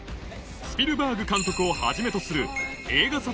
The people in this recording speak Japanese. スピルバーグ監督をはじめとする映画